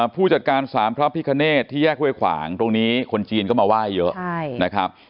ผู้จัดการสารพระพิกาเนสที่แยกเว้ยขวางตรงนี้คนจีนก็มาไหว้เยอะ